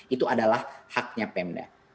itu adalah haknya pemda